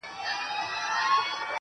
د ديوتاکور ته اپلاتون او سقراط ولېږه~